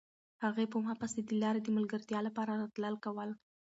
هغې په ما پسې د لارې د ملګرتیا لپاره راتلل کول.